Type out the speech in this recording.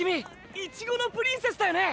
いちごのプリンセスだよね？